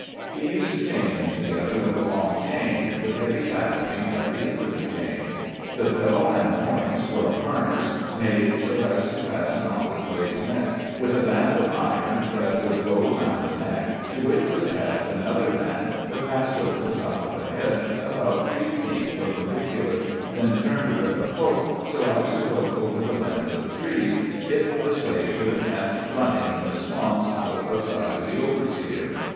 He used to chain them together with a long chain, with heavy fastenings at the end of the chain. The bell and horns were a harness made so as to fas ten on the slave's neck, with a band of iron that would go round the neck, to which was attached another band that passed over the top of the head, about three feet perpendicular, then turned with a hook, so as to hook over the limbs of trees, if the slave should attempt running in the swamps, out of 172 SKETCHES OF SLA YE LIFE. sight of the overseer.